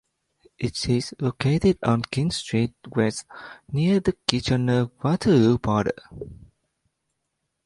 It is located on King Street West, near the Kitchener-Waterloo border.